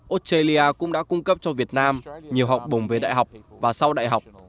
australia cũng đã cung cấp cho việt nam nhiều học bổng về đại học và sau đại học